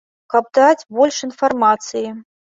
Каб даць больш інфармацыі.